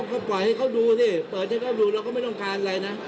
ก็ปล่อยให้เขาดูสิเปิดให้เขาดูเราก็ไม่ต้องการอะไรนะ